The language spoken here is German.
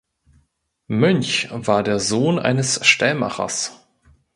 Münch war der Sohn eines Stellmachers.